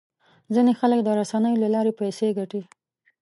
ځینې خلک د رسنیو له لارې پیسې ګټي.